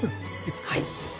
はい。